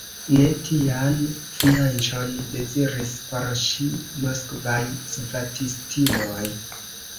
Ne tian fianĉon deziris por ŝi moskvaj svatistinoj!